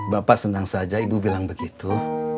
bapak senang saja ibu bilang begitu